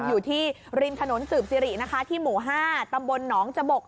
อยู่ที่ริมถนนสืบสิรินะคะที่หมู่๕ตำบลหนองจบก